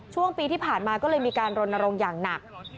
ช่วงปีที่ผ่านมาก็เลยมีการรณรงค์อย่างหนัก